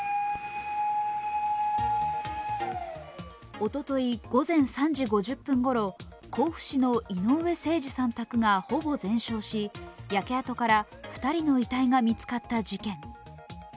おととい午前３時５０分ごろ、甲府市の井上盛司さん宅がほぼ全焼し焼け跡から２人の遺体が見つかった事件。